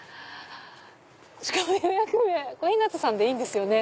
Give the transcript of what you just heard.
しかも予約名小日向さんでいいんですよね。